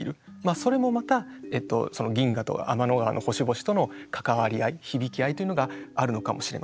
それもまた銀河と天の川の星々との関わり合い響き合いというのがあるのかもしれません。